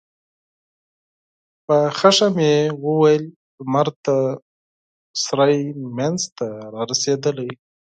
په غوسه يې وویل: لمر د سرای مينځ ته رارسيدلی.